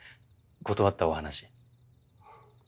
断ったお話。